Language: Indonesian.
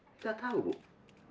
tidak tahu bu